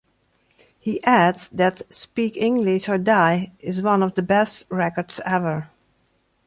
He adds that "Speak English or Die" is "one of the best records ever.